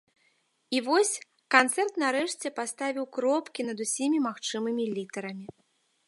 І вось, канцэрт нарэшце паставіў кропкі над усімі магчымымі літарамі.